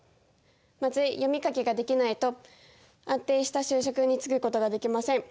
まず読み書きができないと安定した就職に就くことができません。